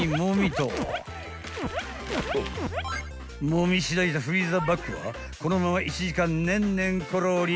［もみしだいたフリーザーバッグはこのまま１時間ねんねんころり